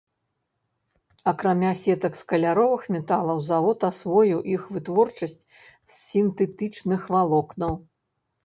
Акрамя сетак з каляровых металаў, завод асвоіў іх вытворчасць з сінтэтычных валокнаў.